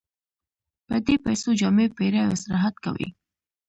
په دې پیسو جامې پېري او استراحت کوي